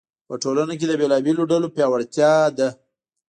په ټولنه کې د بېلابېلو ډلو پیاوړتیا ده.